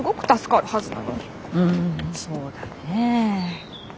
うんそうだねえ。